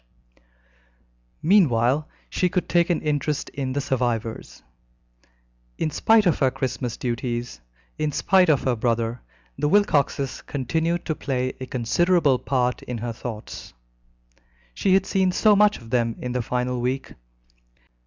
Meanwhile, she could take an interest in the survivors. In spite of her Christmas duties, in spite of her brother, the Wilcoxes continued to play a considerable part in her thoughts. She had seen so much of them in the final week.